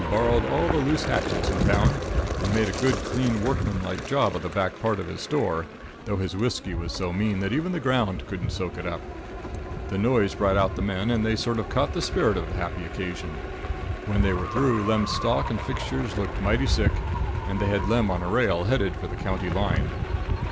borrowed all the loose hatchets in town and made a good, clean, workmanlike job of the back part of his store, though his whiskey was so mean that even the ground couldn't soak it up. The noise brought out the men, and they sort of caught the spirit of the happy occasion. When they were through, Lem's stock and fixtures looked mighty sick, and they had Lem on a rail headed for the county line.